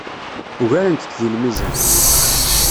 Ugarent-t deg lmizan.